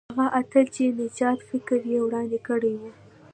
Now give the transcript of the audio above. هغه اتل چې د نجات فکر یې وړاندې کړی وو.